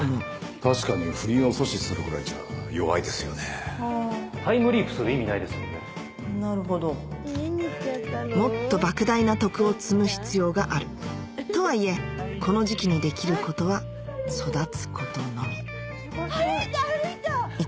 確かに不倫を阻止するぐらいタイムリープする意味ないなるほどもっと莫大な徳を積む必要があるとはいえこの時期にできることは育つことのみ歩いた歩いた！